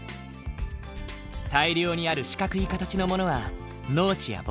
大量にある四角い形のものは農地や牧場。